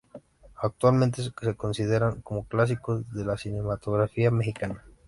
Actualmente se consideran como clásicos de la cinematografía mexicana.